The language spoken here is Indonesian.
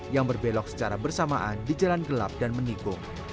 yang berbelok secara bersamaan di jalan gelap dan menikung